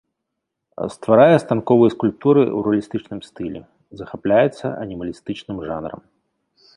Стварае станковыя скульптуры ў рэалістычным стылі, захапляецца анімалістычным жанрам.